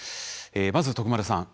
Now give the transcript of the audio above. まず徳丸さん